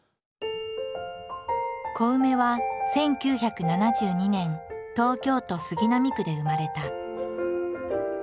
コウメは１９７２年東京都杉並区で生まれた。